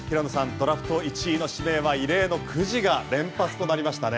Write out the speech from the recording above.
ドラフト１の指名は異例のくじが連発となりましたね。